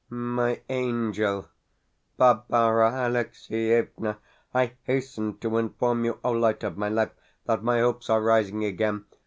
MY ANGEL, BARBARA ALEXIEVNA, I hasten to inform you, Oh light of my life, that my hopes are rising again.